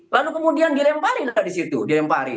lalu kemudian diremparin dari situ diremparin